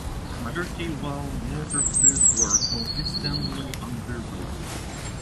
Majority white neighborhoods were consistently undervalued.